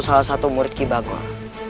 salah satu murid kibagor